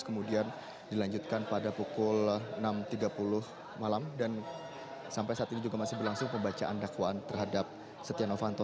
kemudian dilanjutkan pada pukul enam tiga puluh malam dan sampai saat ini juga masih berlangsung pembacaan dakwaan terhadap setia novanto